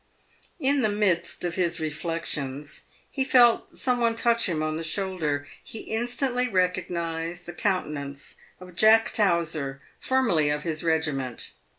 In the midst of his reflections, he felt some one touch him on the shoulder. He instantly recognised the countenance of Jack Towser, formerly of his regiment.